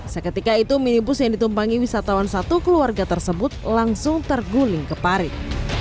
seketika itu minibus yang ditumpangi wisatawan satu keluarga tersebut langsung terguling ke parik